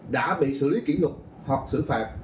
đã bị xử lý kỷ luật hoặc xử phạt